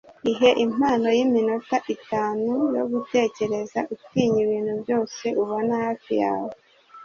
ihe impano yiminota itanu yo gutekereza utinya ibintu byose ubona hafi yawe